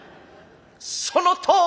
「そのとおり！